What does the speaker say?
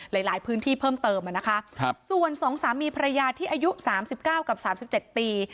หลายหลายพื้นที่เพิ่มเติมอ่ะนะคะส่วนสองสามมีภรรยาที่อายุสามสิบเก้ากับสามสิบเจ็ดปี